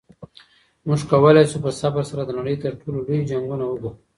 موږ کولی شو په صبر سره د نړۍ تر ټولو لوی جنګونه وګټو.